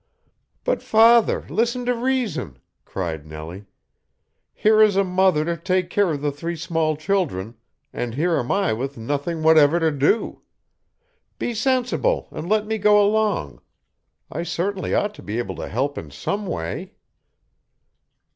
"But, father, listen to reason!" cried Nellie; "here is mother to take care of the three small children, and here am I with nothing whatever to do. Be sensible and let me go along. I certainly ought to be able to help in some way."